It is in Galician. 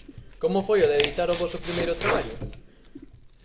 Como foi o de editar o voso primeiro traballo?